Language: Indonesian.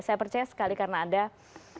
saya percaya sekali karena anda sangat berharga